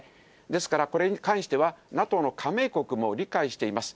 ですからこれに関しては、ＮＡＴＯの加盟国も理解しています。